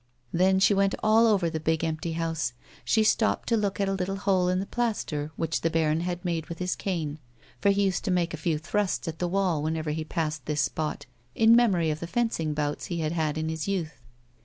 Then she went all over the big, empty house. She stopped to look at a little hole in the plaster which the baron liad made with his cane, for he used to make a few thrusts at the wall whenever he passed this spot, in memory of tlie fencing bouts he had had in his vouth.